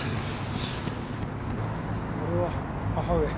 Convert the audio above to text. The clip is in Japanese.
これは母上。